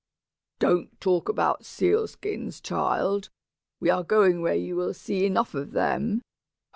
"Don't talk about seal skins, child. We are going where you will see enough of them.